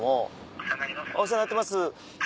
お世話になります。